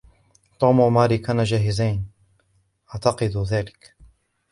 توم و ماري كانا جاهزين, اعتقد ذلك.